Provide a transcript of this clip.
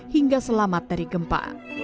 hingga selamat dari gempa